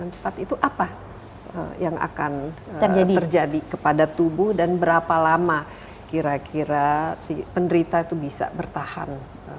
cepat itu apa yang akan terjadi kepada tubuh dan berapa lama kira kira si penderita itu bisa bertahan